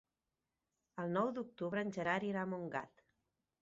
El nou d'octubre en Gerard irà a Montgat.